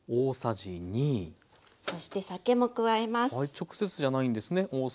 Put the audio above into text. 直接じゃないんですね。